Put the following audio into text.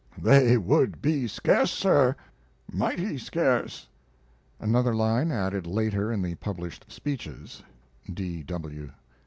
They would be scarce, sir. (Mighty scarce.) [another line added later in the published 'Speeches'.